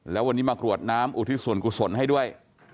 แล้ววันนี้มากรวดน้ำอุทิศส่วนกุศลให้ด้วย